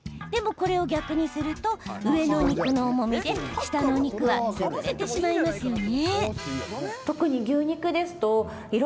これを逆にすると上の肉の重みで下の肉は潰れてしまいますよね。